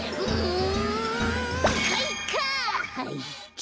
ん！